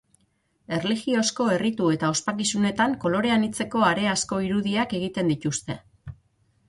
Erlijiozko erritu eta ospakizunetan kolore anitzeko hareazko irudiak egiten dituzte.